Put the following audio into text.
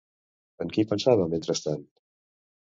En qui pensava mentrestant?